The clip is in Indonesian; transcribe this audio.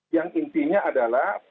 yang intinya adalah